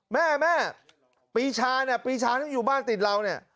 แม่แม่ปีชาเนี่ยปีชานั่งอยู่บ้านติดเราเนี่ย